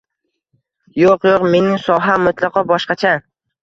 Yoʻq-yoʻq. Mening soham mutlaqo boshqacha.